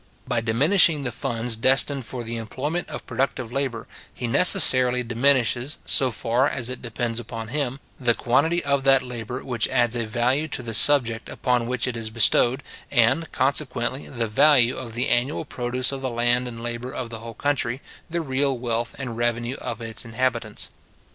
By diminishing the funds destined for the employment of productive labour, he necessarily diminishes, so far as it depends upon him, the quantity of that labour which adds a value to the subject upon which it is bestowed, and, consequently, the value of the annual produce of the land and labour of the whole country, the real wealth and revenue of its inhabitants.